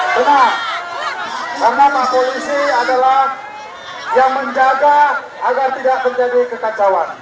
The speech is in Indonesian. tenang karena pak polisi adalah yang menjaga agar tidak terjadi kekacauan